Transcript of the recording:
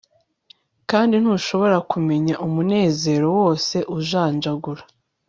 Kandi ntushobora kumenya umunezero wose ujanjagura